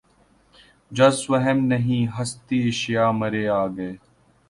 جز وہم نہیں ہستیٔ اشیا مرے آگے